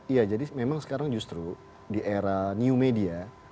iya jadi memang sekarang justru di era new media